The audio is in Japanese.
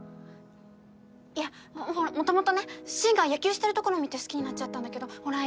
いやもともとね深が野球してるところ見て好きになっちゃったんだけどほら